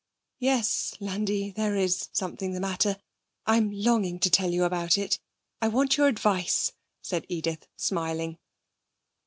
'Yes, Landi, there is something the matter. I'm longing to tell you about it. I want your advice,' said Edith, smiling.